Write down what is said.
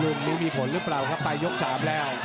รุ่นนี้มีผลรึเปล่าครับไปยกสามแล้ว